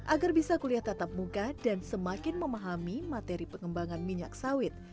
agar bisa kuliah tatap muka dan semakin memahami materi pengembangan minyak sawit